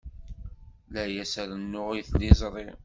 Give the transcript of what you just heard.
La as-rennuɣ i tliẓri.